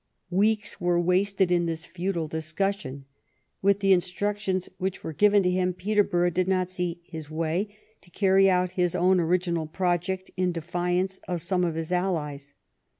Weeks were wasted in this futile discussion. With the instructions which were given to him, Peterborough did not see his way to carry out his own original project in defiance of some of his allies.